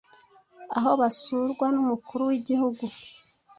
aho basurwa n'Umukuru w'Igihugu